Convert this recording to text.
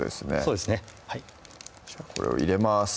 そうですねはいじゃあこれを入れます